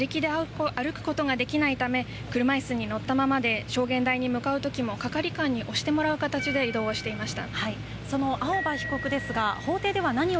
被告が事件でみずからも重いやけどを負い今も自力で歩くことができないため車いすに乗ったままで証言台に向かうときも係官に押してもらう形で移動していました。